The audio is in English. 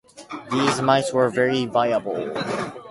These mice were very viable.